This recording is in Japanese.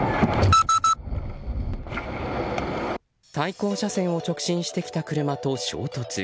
対向車線を直進してきた車と衝突。